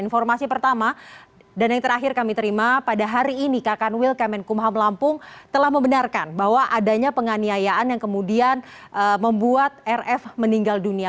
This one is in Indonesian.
informasi pertama dan yang terakhir kami terima pada hari ini kakan wilkemenkumham lampung telah membenarkan bahwa adanya penganiayaan yang kemudian membuat rf meninggal dunia